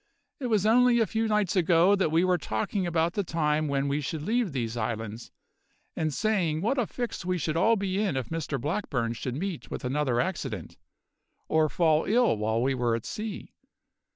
It was only a few nights ago that we were talking about the time when we should leave these islands, and saying what a fix we should all be in if Mr Blackburn should meet with another accident, or fall ill while we were at sea.